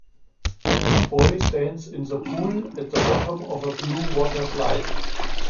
A boy stands in the pool at the bottom of a blue water slide.